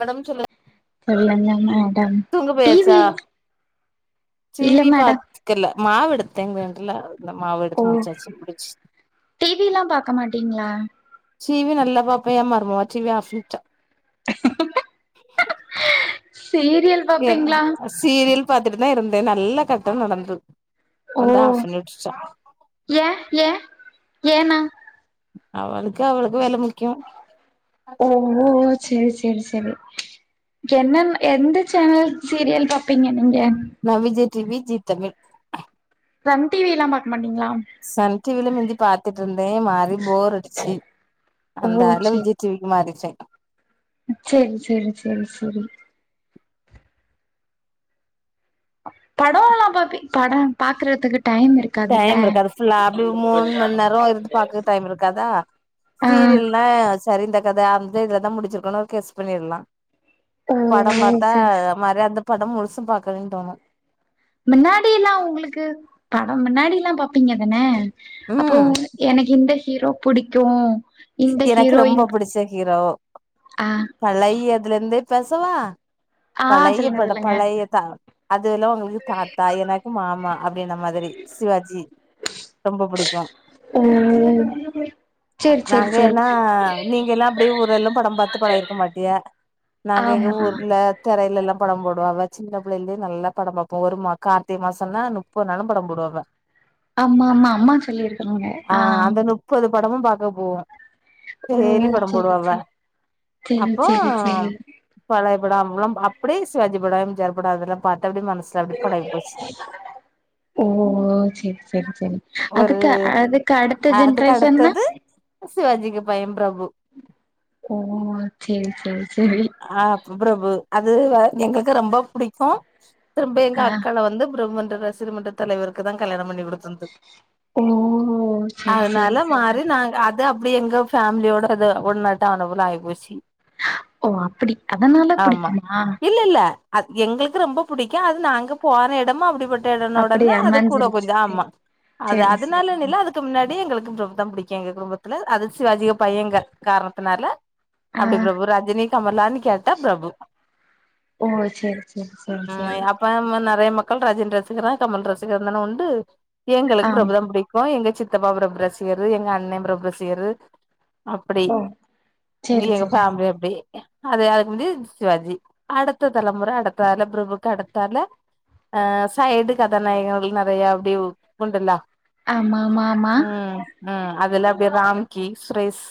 madam சொல்லுங்க சொல்லுங்க madam தூங்க போயாச்சா டிவி இல்ல டிவி மேடம் பாத்துக்கல மாவெடுத்தே கிரைண்டர்ல இந்த மாவு ஓ எடுத்து முடிச்சாச்சி முடிச்சி டிவில்லா பாக்க மாட்டீங்களா டிவி நல்லா பாப்பே என் மருமவ டிவி ஆஃப் பண்ட்டா சீரியல் ஏ பாப்பீங்களா சீரியல் பாத்துட்டுதா இருந்தே நல்ல கட்டோ நடந்தது ஓ வந்து ஆஃப் பண்ணி விட்டுட்டா ஏ ஏ ஏன்னா அவளுக்கு அவளுக்கு வேல மு ஓங்கோ சேரி சேரி சேரி என்னன் எந்த சேனல் சீரியல் பாப்பீங்க நீங்க வி ஜித் தமிழ் ரம் டிவி எல்லா பாக்க மாட்டீங்களா சன் டிவில மிந்த்சி பாத்துட்டு இருந்தே மாறி போர் அடிச்சு அந்த ஓ ஆல விஜய் டிவிக்கு மாறிச்சே சரி சரி சரி சரி படம்ல்லா பாப்பி படம் பாக்கறதுக் டைம் இருக்காது ஃபுல்லா அப்டி மூணு மணி நேரம் இருந்து பாக்க டைம் இருக்காதா ஆ சீரியல்னா சரி இந்த கதை அந்த இதுலதான் முடிச்சிருக்குனு ஒரு கெஸ்ட் பண்ணிடல ஓ படம் பார்த்தா சேரி மற அந்த படம் முழுசும் பாக்கணு தோணு முன்னாடி எல்லா உங்களுக்கு படம் முன்னாடி எல்லா பாப்பீங்க தானே அப்போ ம் எனக்கு இந்த ஹீரோ புடிக்கு இந்த எனக்கு ரொம்ப ஹீரோயின் புடிச்ச ஹீரோ ஆ பழைய அதுல இருந்தே பேசவா மம் ஆ பழைய சொல்லுங்க பட சொல்லுங்க பழைய தா அது உங்களுக்கு தாத்தா எனக்கு மாமா அப்படன மாதிரி சிவாஜி ரொம்ப புடிக்கு ம் நாங்க என்னா நீங்க எல்லா அப்டியே ஊரெல்ல படம் பார்த்து பழகி இருக்க மாட்டி நாங்க எங்க ஆமா ஊர்ல திரையில எல் படம் போடுவாங்க சின்ன பிள்ளையிலேய நல்லா படம் பார்போ ஒரு கார்த்திக மாசம்னா முப்பது நல்ல படம் போடுவாங்க ஆமா ஆமா அம்மா சொல்லியிருக்காங்க ஆ அந்த முப்பது படமும் பாக் போவோ ம் ஓ டைலியம் படம் சேரி போடுவாவ சேரி சேரி அப்போ சேரி சேரி பழைய டலாம் அப்படியே சிவாஜிபடா ஜரடாதெல்லா பார்த்த அப்டி மனசல அப்படி படக போச்சு ஓ சரி சரி சரி ஒரு அதுக் கு அதுக்கு அடுத்த ஜென்ரேஷன்ன்னா ஆ சி வாஜிக்க ப பிரபு ஓ சரி சரி அ பீபிரபு அது எங்களுக்கு ரொம்ப புடிக்கு திரும்ப எங்க ஆ அக்களை வந்து பிரமன்ற ரசீ மன்ற தலைவருக்கு தான் கல்யாணம் பண்ணி ந்து ஓ சேரி சேரி அதனால சேரி மாறி நாங்க அது அ அப்டி எங்கஃபாமிலியோட அது ன்னும் துட நட்ட அவனபல ஆக போச்சி ஓ அப்படி அதனால புடிக்குமா அ எங்களுக்கு ரொம்ப புடிக்கு அது நாங்க போன எடமு அப்படிப்பட் இ உடனே அப்படியா அது கூட மஞ்சிருச்சு கொஞ்ச சேரி ஆமா அது சேரி சேரி அதனால அதுக்கு முன்னாடி எங்களுக்கு ரப தான் படிக்கு எங்க குடும்பத்துல ஜி பையங்க காரணத்தினால ஆ அப்டி பிரபு ரஜினி கமர்லானு கேட்டா பிரபு ஓ சேரி சேரி சேரி உ சேரி அப்ப நிறைய மக்கள் ராஜின் ரசிகிறான் கமல் ரசிகர்ன உண்டு எங்களுக்கு ஆமா பிரபுதம் பிடிக்கும் எங்க சித்த த்தப்பா பிரபுஎன்ன செய்வது செய்ரு எங்க அண்ண பிரொப ரசிக அப்படி ஓ சேரி எங்க சேரி ஃபேமிலி அப்டி அது அதுக்கு மு சிவாஜி அடுத்த தலைமுறை அடுத்தால பிரபுக்கு அடுத்த ஆலூ ஆ சைடு் கதாநாயகங்கள் நறையா அப்படி உண்டல்ல ஆமா ஆமா ஆமா ம்உம் அதுல அப்டிய ராம்கி ஸ்ரேுஸ்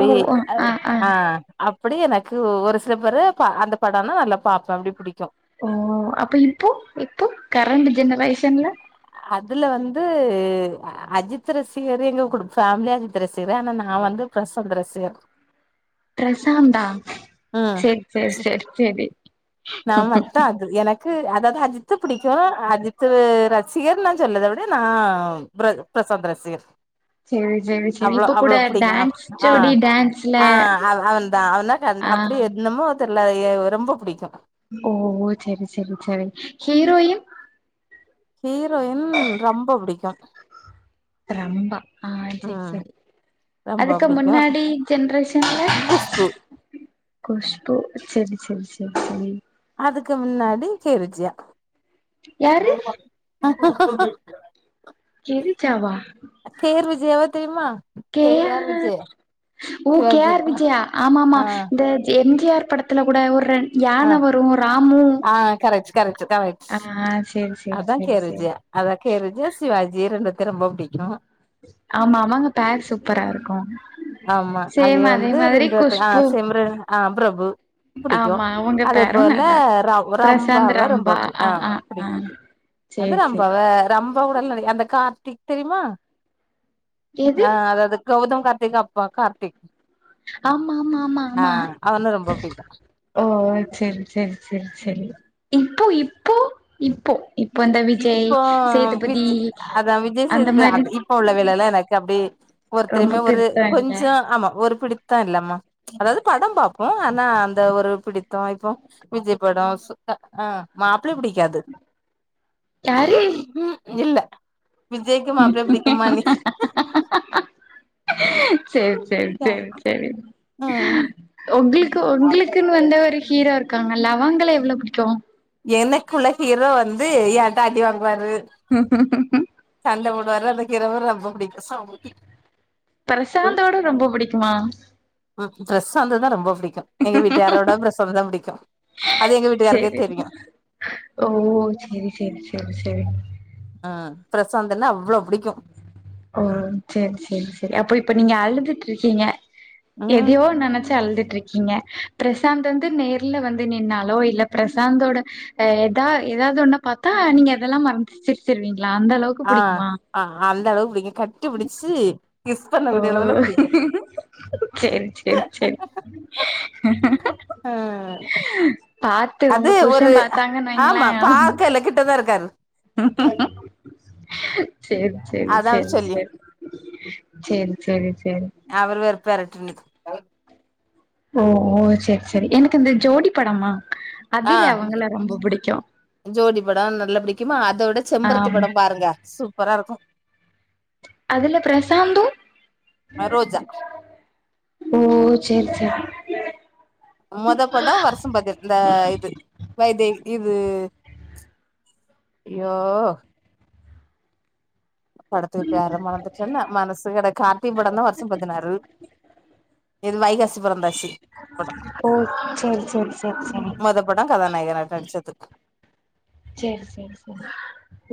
ஓ ஓ அ ஆ ஆ ஆஹ அப்டி எனக்கு ஒரு சில பேரு அந்த படம்னான் நல்லா பாார்ப்பேன் அப்படி பிடிக்கும் ஓ அப்ப இப்போ இப்போ கரண்ட ஜெனரேஷன்ல அதுல வந்து அஜித் ரசிகர் எங்கடு ஃபேமிலி காஅஜித் ரசிகர் ஆனா நான் வந்து பிரசந்த ரசிகர் ம் சரி சரி சரி சரி நா மட்டு அது எனக்கு அதாவது அஜித்தை படிக்கு அஜித் ரசிகர்னா நா என்ன சொல்ரத விட நான் பிரசாந்த் ரசிகர் சேரி சேரி சேரி அவ்ளோ இப்ப கூட அவ்ளோ புடிக்கு டான்ஸ் ஆ ஜோடி டான்ஸ்ல ஆ அவ் அவன் தா அவதா கா ந்த ஆ அப்டி என்னமோ தெர்ல எ ரொம்ப புடிக்கு ஓ செரி செரி செரி ஹீரோயின் ஹீரோயின் ரம்ப புடிக்கு ரம்பா ஆ செரி ம் செரி ரொம்ப அதுக்கு புடிக்கு முன்னாடி ஜென்ரேஷன்ல குஷ்பு குஷ்பு செரி செரி செரி செரி அதுக்கு முன்னாடி கிரிஜா யாரு கோலுமாக்கு கிரிஜாவா கே ஆர் விஜியாவ தெரியுமா கே ஆர் ஓ கே சிவாஜி ஆர் பா விஜியா ஆமாமா ஆ இந்த எம் ஜி ஆர் படத்துல கூட ஒரு ரெண் ஆ யான வரு ராமு ஆ கரெக்ட் கரெக்ட் கரெக்ட் ஆ செரி செரி அதா செரி கேர் செரி விஜயா அதா கே ஆர் விஜியா சிவாஜி ரெண்டு பேரு ரொம்போ புடிக்கு ஆமா அவங்க பேர் சூப்பராருக்கு ஆமா அதே வந்து ரெண்டு பேத்து ஆ குஷ்பு சிம்ரன் ஆ பிரபு புடிக்கு ஆமா அவங்க அதே பேரு போல நல்லா இருக்கு ர பிரசாந்த் ரம்பாவ ரொம்ப ரம்பா புடி ஆ ஆ புடிக்கு அது சேரி சேரி ரம்பாவ ரம்பா உடல் நடிக அந்த கார்த்திக் தெரியுமா எது ஆ அதாவது கௌதம் கார்த்திக் அப் பா கார்த்திக் ஆமா ஆமா ஆமா ஆ ஆமா அவன ரொம்ப புடிக்கு ஓ செரி செரி செரி செரி இப்போ இ இப் இப்போ சேதுபதி விஜ் அதா விஜய் அந்த சேதுபத் மாரி அத் இப்ப உள்ள வேலைல்ல நா லைக் அப்டே ரொம்ப ஒருத்தருமே ஒரு பெருசா இல்ல கொஞ்சோ ஆமா ஒரு பிடி த இல்லமா ப்ச் அதாவது படம் பாப்போ ஆனா அந்த ஒரு பிடித்தோ இப்போ விஜய் படோ அ ஆ மாப்பிளை புடிக்காது யாரு ம் இல்ல விஜய்க்கு மாப்ளைய புடிக்கும்மா நீ செரி செரி செரி செரி ம் ஒங்களுக்கு உங்களுக்குன் வந்த ஒரு ஹீரோ இரு ருக்காங்கல்ல அவங்கள எவ்ளோ புடிக்கு எனக்குள்ள ஹீரோ வந்து ஏன்ட்ட அடி வாங்வாரு சண்ட போடுவாரு அந்த கீரோவ ரொம்ப புடிக்கு ச பிரசாந்தோட ரொம்ப புடிக்குமா ம் பிரசாந்துதா ரொம்ப புடிக் க்கு எங்க வீட்டுக்காரோட பிரசாந்தா புடிக்கு அது எங்க வீட்டுக்காருக்கே செரி தெரியு ஓ செரி செரி செரி செரி அ பிரசாந்துனா அவ்ளோ புடிக்கு ஓ செரி செரி செரி அப்ப இப்ப நீங்க அழுதுட்ருக்கீங்க ம் எதையோ நெனச்சி அழுது ட்ருக்கீங்க பிரசாந் வந்து நேர்ல வந்து நின்னாலோ இல்ல பிரசாந்தோட ஏதா ஏதாவது ஒன்னா பாத்தா நீங்க அதெல்லா மறந் சிரிச்ருவீங் ஆ ஆ அந்த அளவு புடிக்கு கட்டி புடிச்சி கிஸ் பண்ணக்கூடிய அளவுல புடிக்கு செரி செரி செரி ஆ பாத்து ஒங்க அது புருஷ ஒரு பாத்தாங்கன் வைங்களே ஆமா பார்க்கல கிட்டதா இருக்காரு சேர் சேரி அதா அவரு சேரி சொல்லி சேரி சேரி சேரி சேரி அ ஒ ஒ சேர் சேரி எனக்கு இந்த ஜோடி படம்மா ஆ அதுல அவுங்கள ரொம்ப புடிக்கு ஜோடி படோ நல்லா புடிக்குமா அத வுட செம்பருத்தி ஆமா படோ பாருங்க சூப்பராருக்கு அதுல பிரசாந்து ரோஜா ஓ சேர் செரி மொத படோ வருசம் பதின் இந்த இது வைதை இது அய்யோ படத்துக்கு போர மறந்துட்டன்னா மனசு கட கார்த்தி படோந்தா வருஷோ பதினாறு எது வைகாசி பொறந்தாச்சி படம் ஓ சேரி சேரி சேரி சேரி மொத படம் கதான் நாயகனா கடிச்சது சேர் சேரி சேரி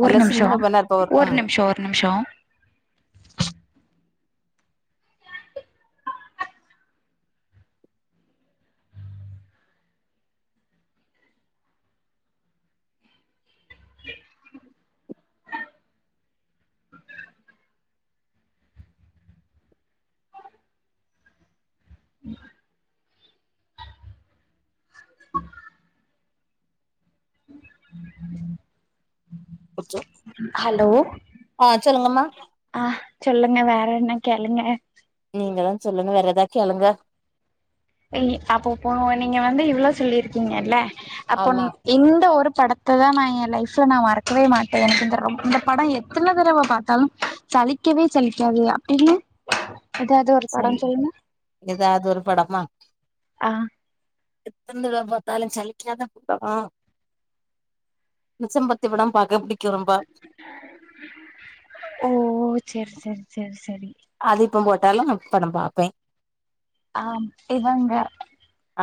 ஒரு நல்லா நிம்ஷோ சின்ன பொண்ணா இருப்ப ஒரு ம் நிம்ஷோ ஒர் ரு நிம்ஷோ அச்சோ ஹலோ ஆ சொல்லுங்கம்மா அ சொல்லுங்க வேற என்ன கேளுங்க நீங்க தா சொல்லணு வேற ஏதா கேளுங்க அய்ய அப்போ போ நீங்க வந்து இவ்ளோ சொல்லிருக்கீங்கல்ல அப்ப ஆமா இந்த ஒருப் படத்ததா நா எ லைஃப்ல நா மறக்கவே மாட்ட எனக்கு ரொம்ப இந்த படோ எத்தன தடவ பாத்தாலு சலிக்கவே சலிக்காது அப்டின் எதாவது ஒரு சரி படோம் சொல்லுங்க எதாவது அ எத்தன் தடவ பாத்தாலும் சலிக்காத படோ மிச்சம்பத்தி படம் பாக்க புடிக் ஓ செரி செரி செரி செரி அது இப்பம் போட்டாலும் நா படம் பாப்பே ஆம் இவங்க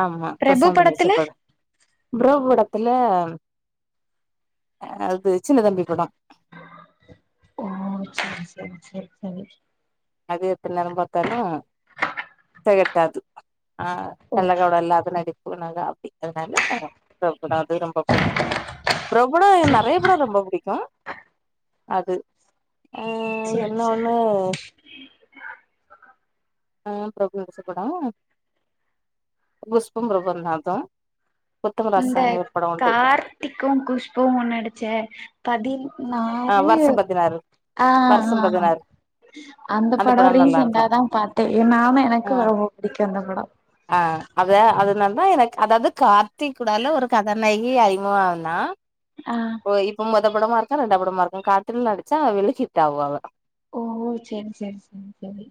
ஆமா பிரபு ப்ரசாந்து நடிச்ச படத்துல படோ ப்ரோ படத்துல அ து சின்னதம்பி படம் சேரி செரி அது எத்ன தடவ பாத்தாலு தெகட்டாது அ ஓ கள்ளகபடோ இல்லாத நடிப்புனாகா அப்டி அதுனால பிரபு தா அது ரொம்ப புடிக்கு ப்ரபோட செரி நெறைய படோ ரொம்ப புடிக்கும் அது அ என்ன செரி ஒண்ணு செரி அ ப்ரபு நடிச்ச படோ குஷ்போ ப்ரபுவுந்தா அது இந்த கார்த்திக்கு குஷ்பு நடிச்ச பதின் ஆ னாரு வருஷம் பதினாறு அ வருஷம் அ பதினாறு அந்த படோ படம் நல்லா ரீசண்ட்டா இருக்கும் தா பாத்தே நானு எனக்கு ரொம்ப பிடிக்கு அந்த படோ அ அத அதனாலதா எனக் அதாவது கார்த்திகூடால ஒரு கதாநாயகி அறிமுக ஆனா ஆ ஓய் இப்ப மொத படமாருக்கு ரெண்டா படமாருக்கு கார்த்தில் நடிச்சா வெள்ளி ஹிட் ஆவு அவ ஒ ஒ சேரி சேரி சேரி சேரி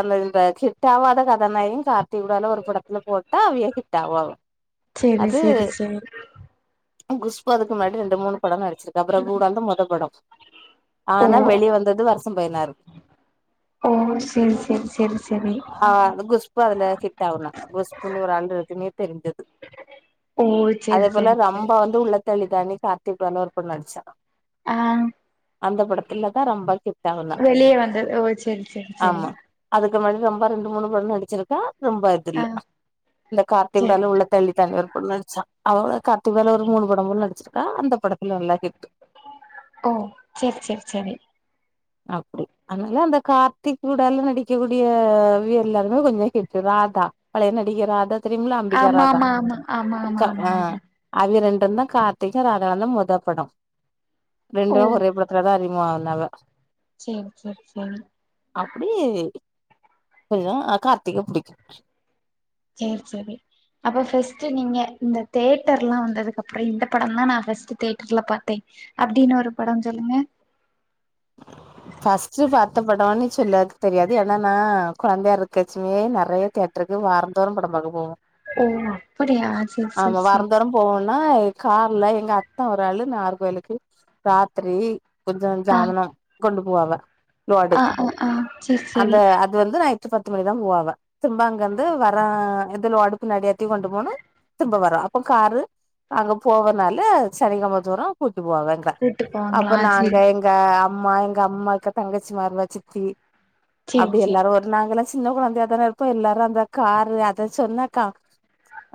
ர்ல இந்த ஹிட்டாவாத கதாநாகியும் கார் திவுடலா ஒரு படத்துல போட்டா அவிய ஹிட் அவுவாவ செரி அது செரி செரி செரி குஷ்பு அதுக்கு முன்னாடி ரெண்டு மூணு படோ நடிச்சிருக்க ப்ரபு கூட அந்த மொத படம் ஓ ஆனா வெளிய வந்தது வருஷம் பதினாரு ஓ செரி செரி செரி செரி ம் ஹிட்டாவுல குஷ்புனு ஒரு‌ ஆள்ருக்குனே தெரிஞ்சது ஓ அதே செரி போல செரி செரி ரம்பா வந்து உள்ளத்த அள்ளிதா அன்னிக் கார்த்திக்கூட இன்னொரு படோ நடிச்சா அ அந்த படத்துல தா ரொம்ப கே வெளியே வந்த ஓ செரி செரி செரி இந்த மாரி ரொம்ப ரெண்டு மூணு படோ நடிச்சிருக்கா ரொம்ப அது இல்ல ஆ இந்த கார்த்தி செரி [inaudible] உள்ளத்த அள்ளி தான்னு ஒரு படோ நடிச்சான் அவ கார்த்தி பய்னு ஒரு மூணு படமு நடிச்சிரு க அந்த படத்துல நல்லா கேட்டு ஓ செரி செரி செரி அப்டி அதனால அந்த கார்த்தி கூடால நடிக்கக்க கூடிய எல்லாருமே கொஞ்சோ ஹிட்டு தா ராதா பழய நடிகை ராதா தெரியுங்களா அம்பிகா ஆமா ராதா ஆமா ஆமா ஆமா ஆமா கா ஆமா அ ஆமா அதுவே ரெண் டு தா கார்த்திக்கு ராதா மொத படோ ரெண்டுமெ ஒரே படத்துல தா அறிமுக ஆனாங்க செரி செரி செரி அப்டி கொஞ்சோ கார்த்திக்க புடிக்கு செரி செரி அப்ப ஃர்ஸ்ட்ட் நீங்க இந்த தியேட்டர் எல்லா வந்ததுக்குப்றோ இந்த படம்தா நா ஃபர்ஸ்ட் தியேட்டர்ல பாத்தே அப்டின்னு ஒரு படம் சொல்லுங்க [unintelligible] ஃபஸ்ட் பாத்த படம்ன்னனு சொல்லக்கு தெரியாது ஏன்னா நா கொழந்தையா இருக்காச்சுமே நெறைய தியேட்டரு க்கு வாரந்தோறு படோபாக்க போவோ ஓ அப்படியா சேரி சேரி ஆமா சேரி வாரந்தோற போவோன்னா கார்ல எங்க அத்தன் ஒரு ஆளு நாறுகோயிலுக்கு ராத்திரி கொஞ்சோ ஆ ஜாமனா கொண்டு போவங் லோடு ஆ ஆ ஆ சேரி அந்த சேரி அது வந்து நா இப் பத்து மணிதா போவாவ திரும்பா அங்க வந்து வர இது லோடு பின்னாடி ஏத்தி கொண்டு போண திரும்ப வரோ அப்போ காரு அங்க போவனால சனிகெழம தோறு கூட்டுபோங்க கூட்டு அப்ப போவாங்களா நாங்க சேரி எங்க அம்மா எங்க அம்மா எங்க தங்கச்சி மாறுவ சித்தி சேரி அப்டி சேரி எல்லாரு ஒரு நாங்கள சின்ன கொழந்தைய அதான இருப்போ எல்லாரு அந்த காரு அத சொன்னாக்கா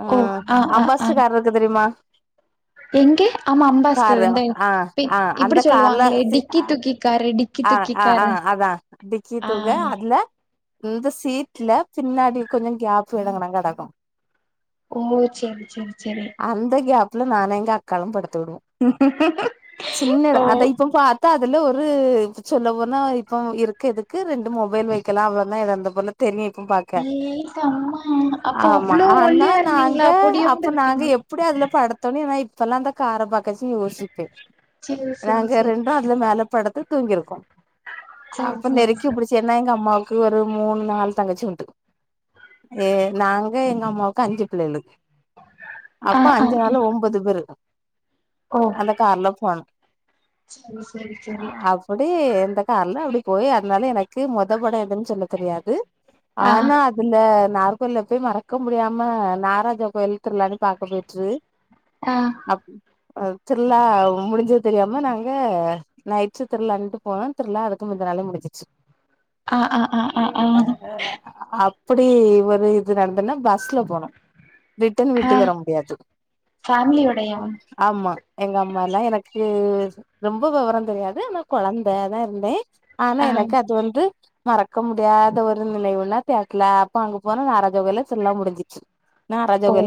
ஆ ஓ ஆ ஆ ஆ அம்பாஸ்ட்டக்காருக்கு தெரியுமா எங்க ஆமா அம்பாஸ்டர் காரு இந்த ஆ பி ஆ அந்த இப்டி கார்ல சொல்லுவாங்களே சீ டிக்கி துக்கி காரு டிக்கி ஆ துக்கி ஆ ஆ காரு அதா டிக்கி ஆ தூக்க அதுல இந்த சீடல பின்னாடி கொஞ்சோ கேப் எடோ [inaudible] கடக்கு ஓ செரி செரி செரி லாஸ்ட்ல நானு எங்க அக்காலு படுத்து கிடுவோ சின்ன அத இப்ப பாத்தா அதுல ஒரு ரு இப்ப சொல்ல போனா இப்ப இருக்க இதுக்கு ரெண்டு மொபைல் வைக்கல அவ்ளோ தா எடோ இருந்த போலா தெரி கு பாக்க ஏய் செம்ம அப்ப ஆமா அவ்ளோ ஆனா ஒல்லியா நாங்க இருந்தீங்களா பொடியோண்டு அப்ப நாங்க இருப்பீங்க எப்டி அத அதுல படுத்தோனே நைட் இப்பல்லா அந்த கார பக்கச்சு யோசிப்பே சேரி சேரி நாங்க சேரி ரெண்டூ அதுல மேல படுத்து தூங்கிருக்கோ சேரி அப்ப சேரி நெருக்கு சேரி புடிச்சன்னா எங்க அம்மாவுக்கு ஒரு மூணு நாள் தங்கச்சி வந்துண்டு ஏ நாங்க எங்க அம்மாவுக்கு அஞ்சு பிள்ளைகளு ஆ அப்போ ஆ அஞ்சு ஆ நாளு ஒம்பது பேரு இருக்கு அந்த கார்ல போனோ செரி அப்டி எந்த கார்லா அப்டி போய் அதனால எனக்கு மொத பட எதுன்னு சொல்ல தெரியாது ஆ ஆனா அதுல நாககோயில போய் மறக்க முடியாம நாராஜா கோயில் திருழான்னு பாக்க போயிட்டுரு ஆ அ திருழா முடிஞ்சது தெரியாம நாங்க நைட் திருழாலன்ட்டு போனோ திருழா அதுக்கு முந்தாநாளே முடிஞ்சச்சு ஆ ஆ ஆ ஆ ஆ அ அ அப் அப்டி ஒரு இது நடந்ததுன்னா பஸ்ல போனே ரிட்டன் ஆ வீட்டுக்கு வர முடியாது ஃபேமிலியோடையா ஆமா எங்க அம்மால்லா எனக்கு ம் ரொம்ப வெவரோ தெரியாது ஆனா கொழந்தை தா இருந்தே ஆனா ஆ எனக்கு அது வந்து மறக்க முடியாத ஒரு நினைவுன்னா [unintelligible] அப்ப அங்கு போனா நாராஜா கோயில்ல திருழா முடிஞ்சிச்சு நாராஜா ஓ கோயி